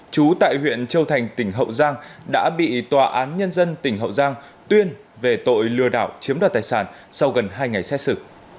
chú tại huyện châu thành tỉnh hậu giang đã bị tòa án nhân dân tỉnh hậu giang tuyên về tội lừa đảo chiếm đoạt tài sản sau gần hai ngày xét xử